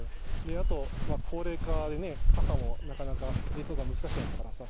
あと高齢化でね、母もなかなか慰霊登山難しくなったからさ。